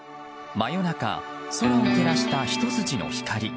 真夜中、空を照らしたひと筋の光。